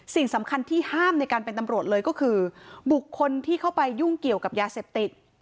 สิ่งสำคัญที่ห้ามในการเป็นตำรวจเลยก็คือบุคคลที่เข้าไปยุ่งเกี่ยวกับยาเสพติด